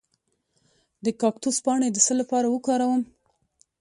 د کاکتوس پاڼې د څه لپاره وکاروم؟